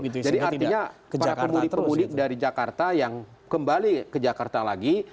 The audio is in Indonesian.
jadi artinya para pemuli pemuli dari jakarta yang kembali ke jakarta lagi